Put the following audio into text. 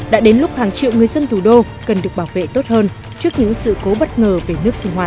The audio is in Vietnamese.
đã đến lúc hàng triệu người dân thủ đô cần được bảo vệ tốt hơn trước những sự cố bất ngờ về nước sinh hoạt